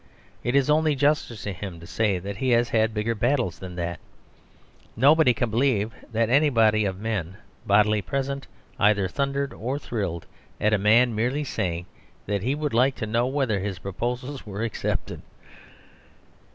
It is only justice to him to say that he has had bigger battles than that. Nobody can believe that any body of men, bodily present, either thundered or thrilled at a man merely saying that he would like to know whether his proposals were accepted.